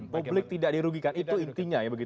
publik tidak dirugikan itu intinya ya